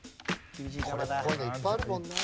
こういうのいっぱいあるもんな。